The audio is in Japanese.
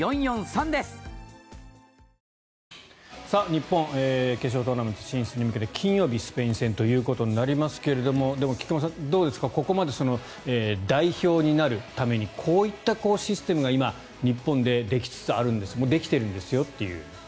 日本決勝トーナメント進出へ向けて金曜日、スペイン戦となりますがでも菊間さん、どうですかここまで代表になるためにこういったシステムが今、日本でできつつあるんですできているんですよという。